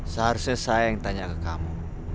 seharusnya saya yang tanya ke kamu